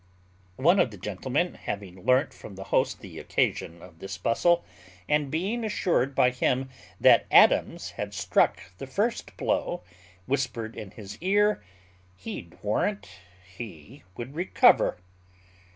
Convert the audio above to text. One of the gentlemen having learnt from the host the occasion of this bustle, and being assured by him that Adams had struck the first blow, whispered in his ear, "He'd warrant he would recover."